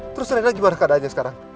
terus reda gimana keadaannya sekarang